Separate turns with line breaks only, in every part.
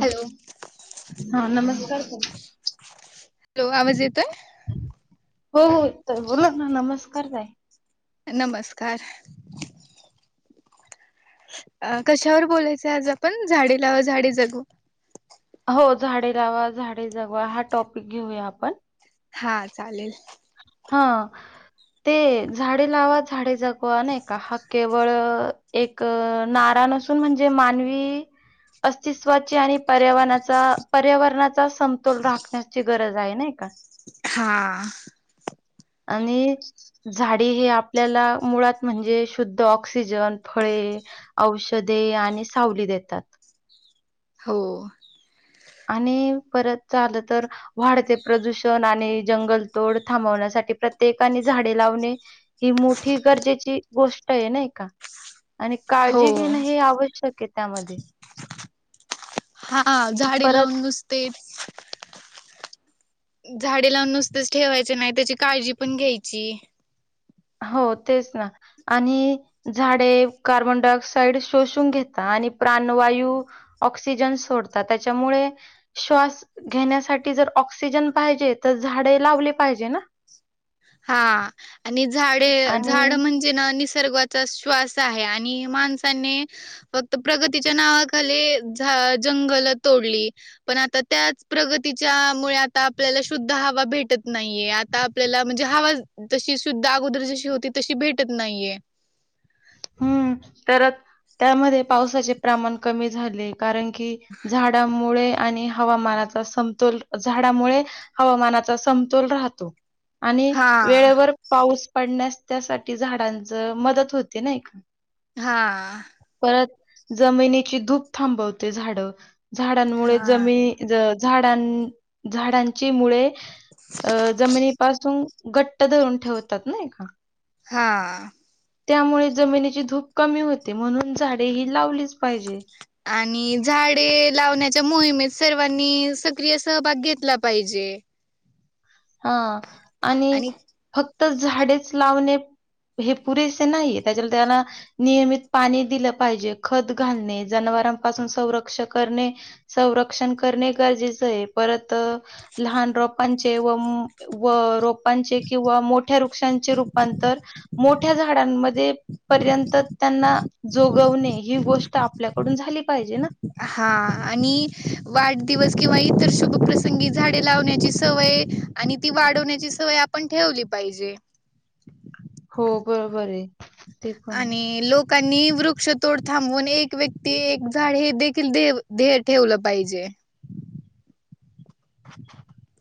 Hello
हा नमस्कार ताई.
हॅलो आवाज येतोय
हो हो बोलाना नमस्कार ताई
नमस्कार अ कशावर बोलायचं आज आपण झाडी ला झाडे जगू
हो झाडे लावा झाडे जगवा हा टॉपिक घेऊया आपण
हा चालेल
हा ते झाडे लावा झाडे जगवा नाही का हा केवळ एक नारा नसून म्हणजे मानवी अस्तित्वाची आणि पर्यावरणाचा पर्यावरणाचा समतोल राखण्याची गरज आहे नाई का
हा
आणि झाडी हे आपल्याला मुळात म्हणजे शुद्ध ऑक्सिजन फळे औषधे आणि सावली देतात
हो
आणि परत चालं तर वाढते प्रदूषण आणि जंगलतोड थांबवण्यासाठी प्रत्येकाने झाडे लावणे ही मोठी गरजेची गोष्ट आहे ना का आणि
हो
काळजी घेणं हे आवश्य शक्य त्या मध्ये
हा झाडे लावून तेन झाडे लावून नुसतेच ठेवायच नाही त्याची काळजी पण घ्यायची
हो तेच ना आणि झाडे कार्बन डाय ऑक्साइड शोषून घेता आणि प्राणवायू ऑक्सिजन सोडता त्याच्यामुळे श्वास घेण्यासाठी जर ऑक्सिजन पाहिजे तर झाडे लावले पाहिजे ना
हा आणि झाडे
आणि
झाड म्हणजे ना निसर्गाचा श्वास आहे आणि माणसाने फक्त प्रगतीच्या नावाखाली जंगल तोडली पण आता त्याच प्रगतीच्या मुळे आता आपल्याला शुद्ध हवा भेटत नाहीये आता आपल्याला म्हणजे हवा जशी सुद्धा अगोदर जशी होती तशी भेटत नाहीये
हम्म, तर त्यामध्ये पावसाचे प्रमाण कमी झाले कारण की झाडामुळे आणि हवामानाचा समतोल झाडामुळे हवामानाचा समतोल राहतो आणि
हा.
वेळेवर पाऊस पडण्यास त्यासाठी झाडांच मदत होत ते नाही का
हा
परत जमिनीची धूप थांबवते झाडं झाडांमुळे
हा
जमीन झाडां झाडांची मुळे अ जमिनीपासून घट्ट धरून ठेवतात ना एका
हा
त्यामुळे जमिनीची धूप कमी होते म्हणून झाडे ही लावलीच पाहिजे.
आणि झाडे लावण्यात च्या मोहिमेत सर्वांनी सक्रिय सहभाग घेतला पाहिजे.
हा. आणि फक् तर झाडेच लावणे हे पुरेसे नाहीये त्याच्या त्याला नियमित पाणी दिलं पाहिजे खत घालणे जनावरांपासून संरक्ष करणे संरक्षण करणे गरजे चय परत लहान रोपांचे व हम्म व रोपांचे किंवा मोठ मोठ्या वृक्षांचे रूपांतर मोठ मोठ्या झाडांमध्ये ते पर्यंत त्यांना जोगवणे ही गोष्ट आपल्याकडून झाली पाहिजे ना.
दिवस किंवा इतर शुभ प्रसंगी झाडे लावण्याची सवय आणि ती वाढवण्याची सवय आपण ठेवली पाहिजे.
हो बरोबर रे.
आणि लोक कांनी वृक्षतोड थांबवून एक व्यक्ती एक झाड हे देखील देह ठेवलं पाहिजे.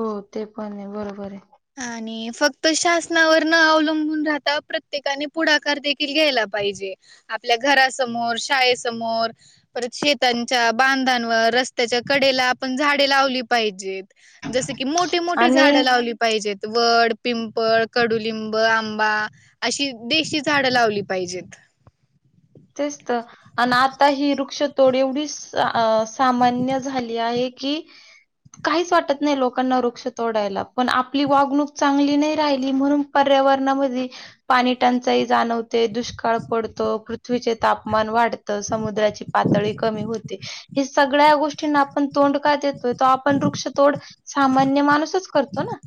हो ते पण हाय बरोबर हाय.
आणि फक्त शासनावर न अवलंबून राहता प्रत्येकाने पुढाकार दे खील घ्यायला पाहिजे. आपल्या घरासमोर शाळेसमोर परत शेतांच्या बांधान वर रस्त्याच्या कडेला आपण झाडे लावली पाहिजेत. जसं की मोठी मोठी
आणि
झाडं लावली पाहिजेत वड, पिंपळ, कडुलिंब, आंबा अशी देशी झाड लावली पाहिजेत.
तेच तर आणि आता ही वृक्षतोड एवढीसं सामान्य झाली आहे कि काहीच वाटत नाइ लोकांना वृक्ष तोडायला पण आपली वागणूक चांगली नाइ राहिली म्हणून पर्यावरणामध्ये पाणी टंचाई जाणवते दुष्काळ पडतो पृ पृथ्वीचे तापमान वाढतं समुद्राची पातळी कमी होते हे सगळ्या गोष्टींना आपण तोंड का देतोय तो आपण वृक्ष तोड सामान्य माणूसच करतो ना.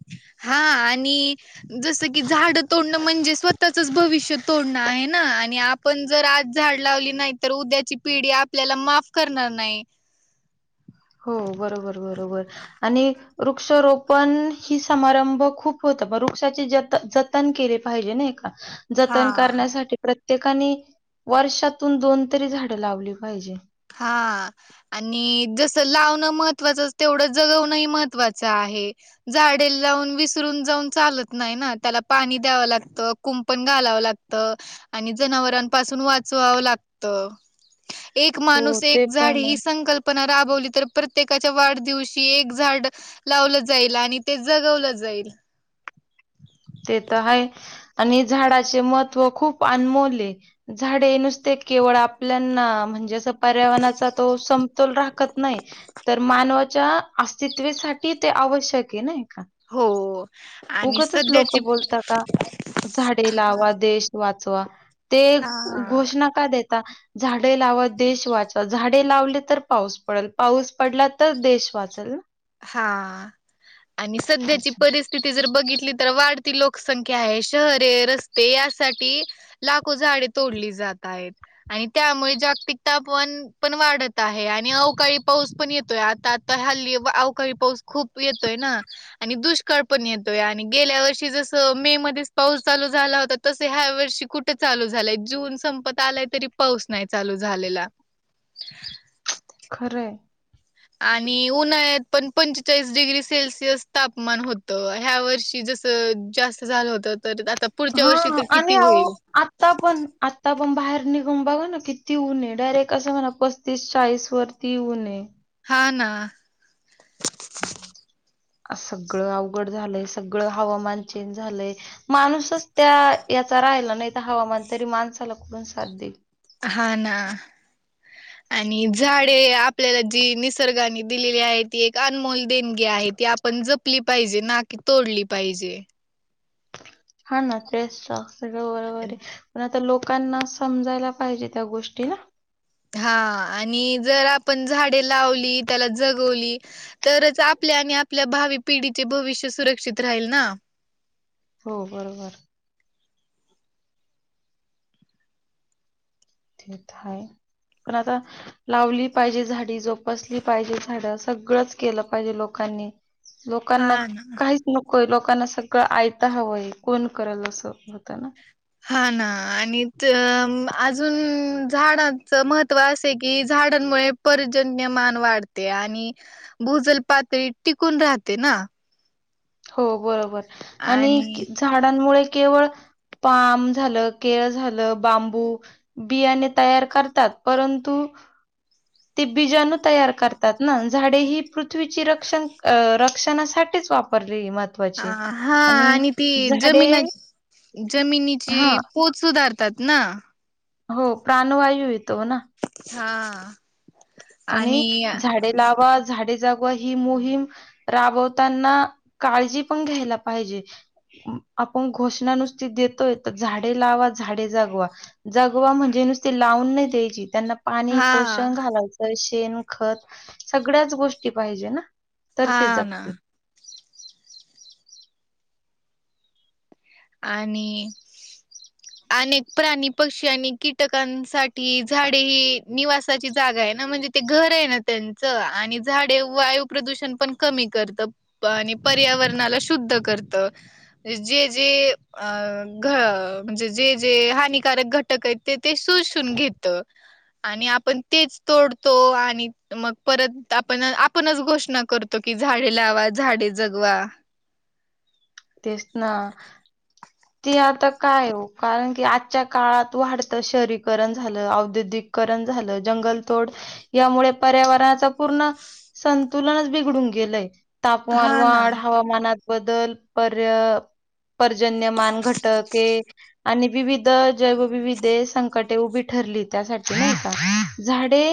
हा आणि जसं की झाड तोडणं म्हणजे स्वतःचचं भविष्य तोडणं आहे ना आणि आपण जर आज झाड लावली नाइ तर उद्याची पिढी आपल्याला माफ करणार नाइ.
हो बरोबर बरोबर आणि वृक्षारोपण ही समारंभ खूप होत म वृक्षाचे जत जतन केले पाहिजे नाइ का.
हा
जतन करण्यासाठी प्र प्रत्येकानी वर्षातून दोन तरी झाड लावली पाहिजे.
हा आणि जसं लावण महत्त्वाचं तेवढं जगवणं ही महत्त्वाचं आहे, झाडे लावून विसरून जाऊन चालत नाइ ना त्याला पाणी द्यावं लागत कुंपण घालावं लागत आणि जनावरांपासून वाचवावं लागतं ए
हो
माणूस
ते
एक झाड
पण
ही
आहे.
संकल्पना राबवली तर प्रत्येकाच्या वाढदिवशी एक झाड लावलं जाईल आणि ते जगवलं जाईल.
ते तर हाय आणि झाडाचे महत्त्व खूप अनमोल झाडे नुसते केवळ आपल्याना म्हणजे असं पर्यावरणाचा तो समतोल राखत नाही तर मानवाच्या अस्तित्वेसाठी ते आवश्यक हे नाइ.
हो आणि सध्या
लोकं बोलता का झाडे लावा देश वाच चवा ते
हा
घोषणा का देत आ झाडे लावा देश वाचवा झाडे लावले तर पाऊस पडेल पाऊस पडला तर देश वाचलं.
हां. आणि सध्याची परिस्थिती जर बघितली तर वाढती लोकसंख्या आहे शहरे रस्ते यासाठी लाखो झाडे तोडली जात आहेत आणि त्यामुळे जागतिक तापमान पण वाढत आहे आणि अवकाळी पाऊस पण येतोय आता आता हल्ली री पाऊस खूप येतोय ना आणि दुष्काळ पण येतोय आणि गेल्या वर्षी जसं मे मध्ये पाऊस चालू झाला होता तसं ह्या वर्षी कुठे चालू झालाय जून संपत आलाय तरी पाऊस नाही चालू झालेला.
खरं आहे.
आणि उन्हाळ्यात पण पंचेचाळीस डिग्री सेल्सिअस तापमान होतं ह्या वर्षी जसं जास्त झालं होत?
हा आणि आता पण आता पण आपण बाहेर निघून बघा ना किती ऊन आहे डायरेक्ट असं म्हणा पस्तीस चाळीस वर ती ऊन आहे.
हा ना.
सगळं अवघड झालंय सगळं हवामान चेंज झालंय माणूसच त्या याचा राहिला नाही तर हवामान तरी माणसाला कोठून साथ देईल?
हा ना आणि झाडे आपल्याला जी निसर्गाने दिलेली आहे ती एक अनमोल देणगी आहे ती आपण जपली पाहिजे ना की तोडली पाहिजे?
हा ना तेच तर. सगळं बरोबर आहे. तर लोकांना समजायला पाहिजे त्या गोष्टी ना.
हा आणि जर आपण झाडे लावली त्याला जगवली तरच आपल्या आणि आपल्या भावी पिढीचे भविष्य सुरक्षित राहील ना.
हो बरोबर. ते तर आहे पण आता लावली पाहिजे झाडी जोपासली पाहिजे झाड सगळंच केलं पाहिजे लोकांनी. लोकांना
हा ना.
काहीच नको आहे लोकांना पण सगळं ऐता हवंय कोण करल असं होतं ना?
हा ना आणि त अम, अजून झाडांच महत्त्व असे कि झाडांमुळे पर्जन्यमान वाढते आणि भूजल पातळी टिकून राहते ना.
हो बरोबर. आणि झाडांमुळे केवळ पाम झालं केळ झालं बांबू बियाणे तयार करतात परंतु ते बीजणू तयार करतात ना झाडे ही पृथ्वीची रक्षणासाठीच वापर
हा आणि ती
झाडे
जमिना जमिनीची
हां,
पोत सुधार तात ना.
हो प्राणवायू येतो ना.
हा.
आणि झाडे लावा झाडे जगवा ही मोहीम राबवताना काळजी पण घ्यायला पाहिजे आपण घोषणा नुसती देतोय तर झाडे लावा झाडे जगवा जगवा म्हणजे नुसती लावून नाही द्यायची. त्यांना पाणी
हा
पोषण घालायचं. शेण खत सगळ्याच गोष्टी पाहिजे ना. तर
हा
ते
ना
जगते.
आणि अनेक प्राणी पक्षी आणि कीटकांसाठी झाडे ही निवासाची जागा आहे ना म्हणजे ते घर आहे ना त्यांचं आणि झाडे वायू प्रदूषण पण कमी करत आणि पर्यावरणाला शुद्ध करत जे म्हणजे घ जे जे हानिकारक घटक आहेत ते ते शॊसून घेत. आणि आपण तेच तोडतो आणि मग परत आपण आपणच घोषणा करतो कि झाडे लावा झाडे जगवा.
तेच ना ते आता काय हो कारण कि आजच्या काळात वाढतं शहरीकरण झालं औद्योगिककरण झालं जंगलतोड यामुळे पर्यावरणाचा पूर्ण संतुलनच बिघडून गेलंय. तापमान
हा ना.
वाढ हवामानात बदल पर पर्जन्यमान घटके आणि विविध जगविविधे संकटे उभी ठरली त्यासाठी नही का? झाडे,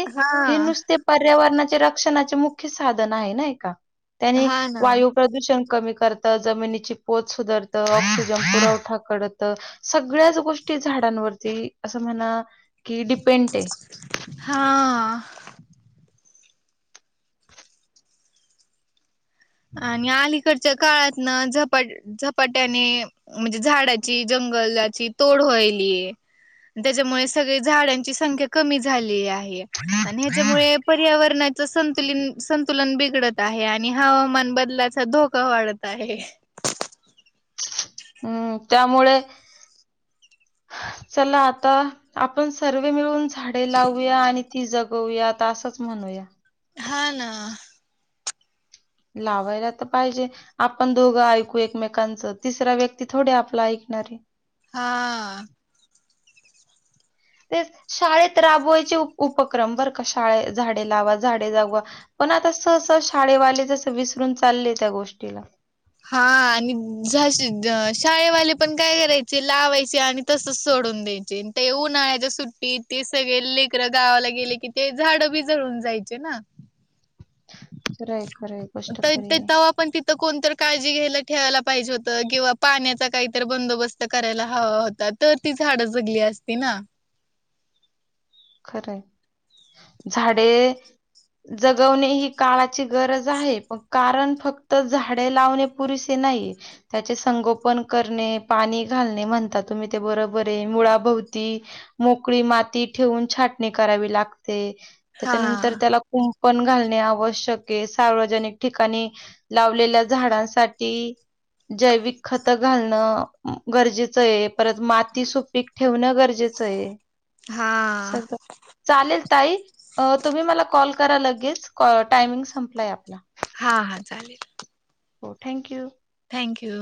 हे
हा.
नुसते पर्यावरणाचे शिक्षणाचे मुख्य साधन आहे नाही का? त्यांनी
हा ना.
वायू प्रदूषण कमी करत जमीनी ची पोत सुधारत, ऑक्सिजन पुरवठा करत, सगळ्याच गोष्टी झाडांवरती असं म्हणा की डिपेंड आहे.
हा. आणि अलीकड च्या काळात ना झपाट झपाट्याने म्हणजे झाडाची जंगलाची तोड व्हायलीये, त्याच्यामुळे सगळे झाडांची संख्या कमी झाली आहे. आणि ह्याच्यामुळे पर्यावरणा च संतुलन संतुलन बिडत आहे आणि हवामाना बदलाचा धोका वाढत आहे.
हम्. त्यामुळे चला आता आपण सर्वे मिळून झाडे लावूया आणि ती जगवूया आता असंच म्हणूया.
हा ना.
लावायला तर पाहिजे, आपण दोघं ऐकू एकमेकांच तिसरा व्यक्ती थोडे आपला ऐकणारे
हा.
ते शाळेत राबवायचे उपक्रम बरं का? शाळ झाडे लावा झाडे जागवा पण आता सहसा शाळेवाले जस विसरून चालले त्या गोष्टीला.
हा आणि जाशी शाळेवाले पण काय करायचे लावायचे आणि तसस सोडून द्यायचे ते उन्हाळ्याच्या सुट्टी ते सगळे लेकर गावाला गेले कि, ते झाड बि जळून जायचे ना.
राईट.
ताई ते तेव्हा पण तिथं कोणतरी काळजी घ्यायला ठेवायला पाहिजे होत किंवा पाण्याचा काहीतरी बंदोबस्त करायला हवा होता, तर ती झाडं जगली असती ना.
खर झाडे जगवणे ही काळाची गरज आहे. पण कारण फक्त झाडे लावणे पुरसे नाही, त्याचे संगोपन करणे पाणी घालणे, म्हणता तुम्ही ते बरोबर आहे. मुळाभोवती मोकळी माती ठेवून छाटणी करावी लागते.
हा
त्याच्यानंतर त्याला पण घालणे आवश्यक आहे, सार्वजनिक ठिकाणी लावलेल्या झाडांसाठी जैविक खत घालणं गरजेचं आहे, परत माती सुपीक ठेवणं गरजेचं आहे.
हा
सगळं चालेल. ताई? तुम्ही मला कॉल करा, लगेच टाइमिंग संपलाय आपला.
हां हां चालेल.
हो थँक यू.
थँक्यू.